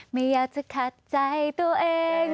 ไม่อยากจะขัดใจตัวเอง